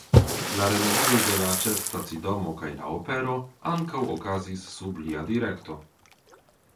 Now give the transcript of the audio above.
La renovigoj de la ĉefstacidomo kaj la opero ankaŭ okazis sub lia direkto.